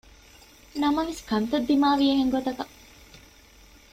ނަމަވެސް ކަންތައް ދިމާވީ އެހެންގޮތަކަށް